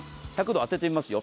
１００度当ててみます。